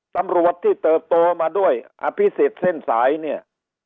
สำหรับที่เติบโตมาด้วยอภิษฐ์เส้นสาย